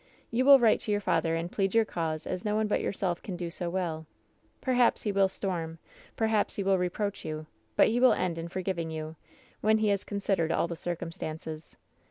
You will write to your father and plead your cause as no one but yourself can do so well. Perhaps he will storm, per 166 WHEN SHADOWS DIE haps he will reproach you, but he will end in forgiving you — when he has considered all the circumstances.